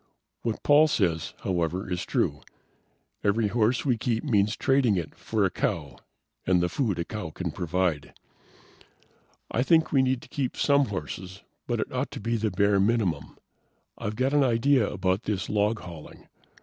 What Paul says, however, is true: Every horse we keep means trading it for a cow and the food a cow can provide. "I think we need to keep some horses, but it ought to be the bare minimum. I've got an idea about this log hauling.